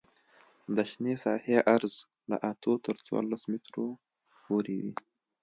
د شنې ساحې عرض له اتو تر څوارلس مترو پورې وي